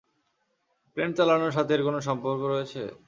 Plane চালানোর সাথে এর কোনো সম্পর্ক রয়েছে?